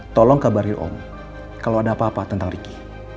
tolong kabarin om kalau ada apa apa tentang ricky